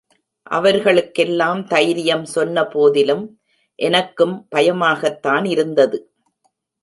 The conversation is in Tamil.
அவர்களுக்கெல்லாம் தைரியம் சொன்ன போதிலும் எனக்கும் பயமாகத்தானிருந்தது.